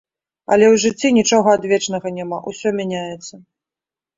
Але ў жыцці нічога адвечнага няма, усё мяняецца.